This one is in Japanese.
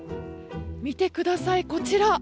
見てください、こちら。